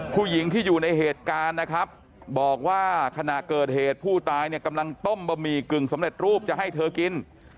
ผู้หญิงที่อยู่ในเหตุการณ์นะครับบอกว่าขณะเกิดเหตุผู้ตายเนี่ยกำลังต้มบะหมี่กึ่งสำเร็จรูปจะให้เธอกิน